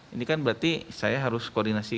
ini kan berarti saya harus koordinasi